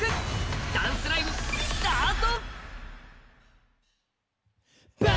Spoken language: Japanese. ダンスライブ、スタート！